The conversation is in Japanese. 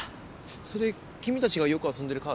それ君たちがよく遊んでるカード？